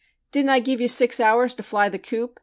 "Didn't I give you six hours to fly the coop?